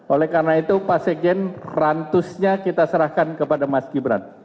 oleh karena itu pak sekjen rantusnya kita serahkan kepada mas gibran